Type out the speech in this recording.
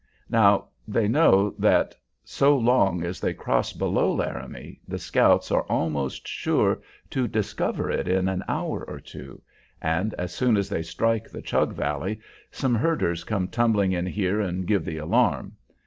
Now, they know that so long as they cross below Laramie the scouts are almost sure to discover it in an hour or two, and as soon as they strike the Chug Valley some herders come tumbling in here and give the alarm.